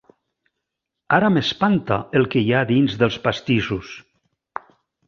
Ara m'espanta el que hi ha dins dels pastissos.